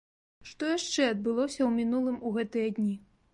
Што яшчэ адбылося ў мінулым у гэтыя дні?